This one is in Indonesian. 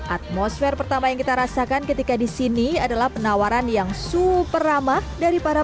atmosfer pertama yang kita rasakan ketika di sini adalah penawaran yang super ramah dari para